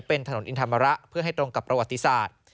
เป็นถนนอินธรรมระเพื่อให้ตรงกับประวัติศาสตร์